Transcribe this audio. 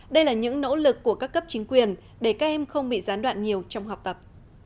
đây là những nỗ lực của các cấp chính quyền để các em không bị gián đoạn nhiều trong học tập